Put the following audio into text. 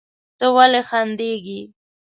ته ولې خندېږې؟